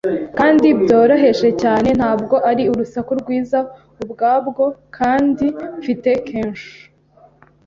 kandi byoroheje cyane. Ntabwo ari urusaku rwiza ubwabwo, kandi mfite kenshi